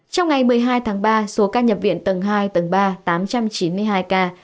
trong ngày một mươi hai tháng ba số ca nhập viện tầng hai tầng ba tám trăm chín mươi hai ca